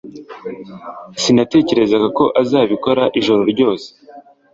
Sinatekerezaga ko azabikora ijoro ryose